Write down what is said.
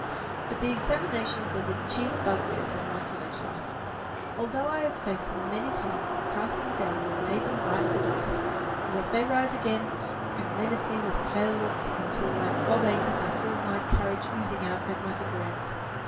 But the examinations are the chief bugbears of my college life. Although I have faced them many times and cast them down and made them bite the dust, yet they rise again and menace me with pale looks, until like Bob Acres I feel my courage oozing out at my finger ends.